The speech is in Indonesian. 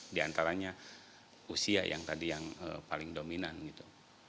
diantaranya usia yang tadi yang paling dominan gitu